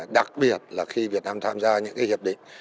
đặc biệt là khi việt nam tham gia những cái hiệp định